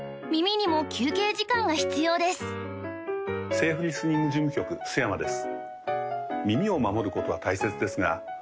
セーフリスニング事務局須山です